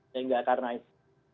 sehingga karena itu